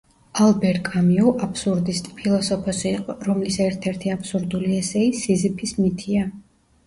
ალბერ კამიუ აბსურდისტი ფილოსოფოსი იყო რომლის ერთ-ერთი აბსურდული ესეი ,,სიზიფის მითია"